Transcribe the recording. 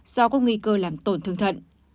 do có nguy cơ làm tổn thương thận